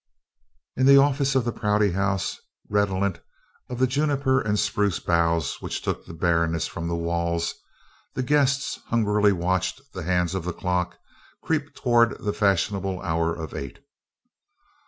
In the office of the Prouty House, redolent of the juniper and spruce boughs which took the bareness from the walls, the guests hungrily watched the hands of the clock creep towards the fashionable hour of eight.